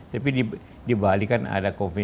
tapi di bali kan ada